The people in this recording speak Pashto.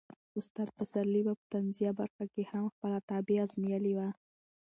استاد پسرلي په طنزيه برخه کې هم خپله طبع ازمایلې وه.